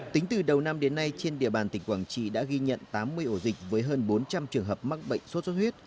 tính từ đầu năm đến nay trên địa bàn tỉnh quảng trị đã ghi nhận tám mươi ổ dịch với hơn bốn trăm linh trường hợp mắc bệnh sốt xuất huyết